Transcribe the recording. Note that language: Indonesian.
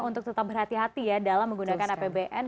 untuk tetap berhati hati ya dalam menggunakan apbn